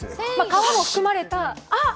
皮も含まれた。